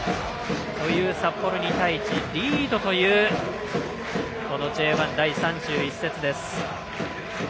札幌、２対１でリードというＪ１第３１節です。